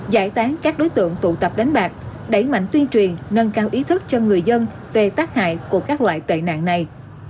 giải tán các đối tượng tụ tập đánh bạc đẩy mạnh tuyên truyền nâng cao ý thức cho người dân về tác hại của các loại tệ nạn này